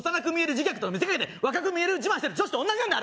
自虐と見せかけて若く見える自慢してる女子と同じなんだ